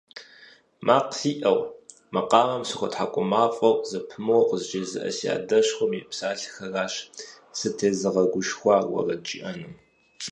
Макъ сиӀэу, макъамэм сыхуэтхьэкӀумафӀэу зэпымыууэ къызжезыӀэ си адэшхуэм и псалъэхэращ сытезыгъэгушхуар уэрэд жыӀэным.